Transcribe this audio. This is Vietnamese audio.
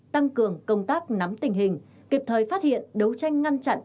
tăng cường công tác nắm tình hình kịp thời phát hiện đấu tranh ngăn chặn